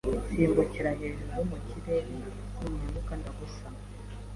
Simbukira hejuru mukirere numanuka ndagusama